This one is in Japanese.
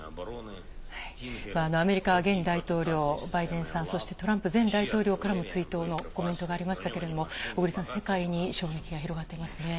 アメリカ現大統領、バイデンさん、そしてトランプ前大統領からも追悼のコメントがありましたけれども、小栗さん、世界に衝撃が広がってますね。